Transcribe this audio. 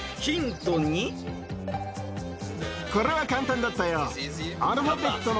これは簡単だったよ。